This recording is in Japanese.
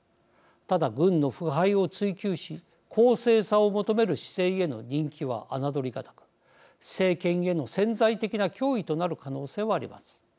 ただ、軍の腐敗を追求し公正さを求める姿勢への人気は侮りがたく政権への潜在的な脅威となる可能性はあります。